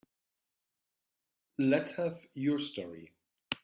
Let's have your story.